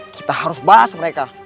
kita harus balas mereka